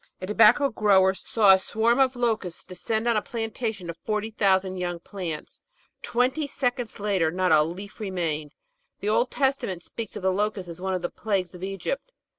A tobacco grower saw a swarm of 536 The Outline of Science locusts descend on a plantation of forty thousand young plants. Twenty seconds later not a leaf remained 1 The Old Testament speaks of the locust as one of the plagues of Egypt.